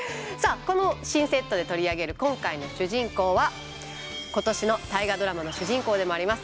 この新セットで取り上げる今回の主人公は今年の「大河ドラマ」の主人公でもあります